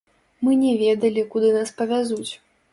Мы не ведалі, куды нас павязуць.